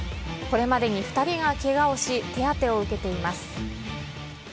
これまでに２人がけがをし、手当てを受けています。